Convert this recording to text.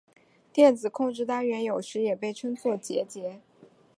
电子控制单元有时也被称作节点。